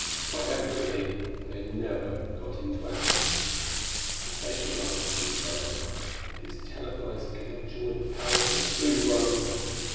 Quite evidently they never got into action. The station lights went dark; its televisor connection with the palace was soon broken.